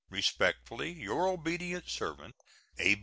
Respectfully, your obedient servant, A.